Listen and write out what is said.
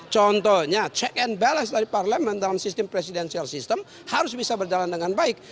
contohnya check and balance dari parlemen dalam sistem presidensial system harus bisa berjalan dengan baik